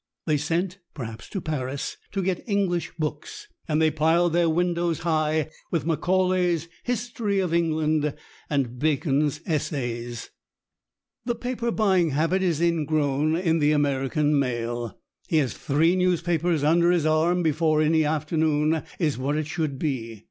They sent, perhaps to Paris, to get English books, and they piled their windows high with Macaulay's "History of England" and Bacon's "Essays." The paper buying habit is ingrown in the American male. He has three newspapers under his arm before any afternoon is what it should be.